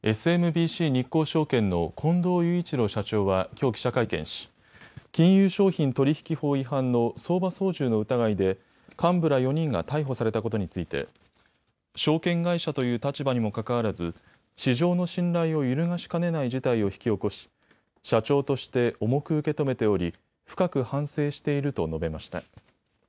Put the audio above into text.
ＳＭＢＣ日興証券の近藤雄一郎社長はきょう記者会見し金融商品取引法違反の相場操縦の疑いで幹部ら４人が逮捕されたことについて証券会社という立場にもかかわらず市場の信頼を揺るがしかねない事態を引き起こし社長として重く受け止めており深く反省していると述べました。